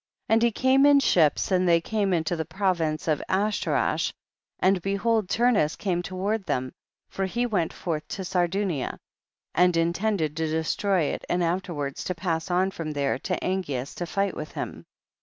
19. And he came in ships, and they came into the province of Ash torash, and behold Turnus came to ward them, for he went forth to Sar dunia, and intended to destroy it and afterward to pass on from there to Angeas to fight with him.